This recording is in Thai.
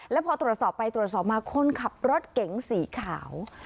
แล้วพอตรวจสอบไปตรวจสอบมาคนขับรถเก๋งสีขาว